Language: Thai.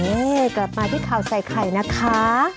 นี่กลับมาที่ข่าวใส่ไข่นะคะ